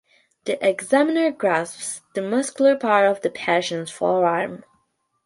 The examiner grasps the muscular part of the patient's forearm.